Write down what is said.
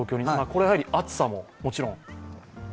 これはやはり暑さももちろん？